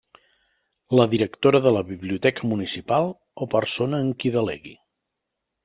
La Directora de la Biblioteca Municipal o persona en qui delegui.